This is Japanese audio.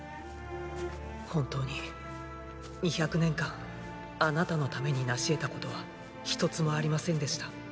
本当に２００年間あなたのためになし得たことはひとつもありませんでした。